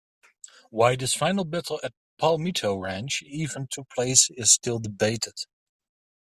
Why this final battle at Palmito Ranch even took place is still debated.